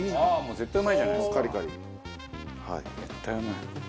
絶対うまい。